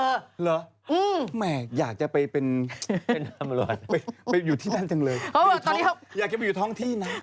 เหรอแหมอยากจะไปเป็นตำรวจไปอยู่ที่นั่นจังเลยอยากจะไปอยู่ท้องที่นะ